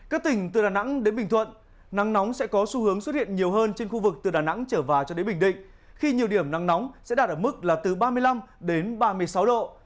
các tỉnh từ đà nẵng đến bình thuận nắng nóng sẽ có xu hướng xuất hiện nhiều hơn trên khu vực từ đà nẵng trở vào cho đến bình định khi nhiều điểm nắng nóng sẽ đạt ở mức là từ ba mươi năm đến ba mươi sáu độ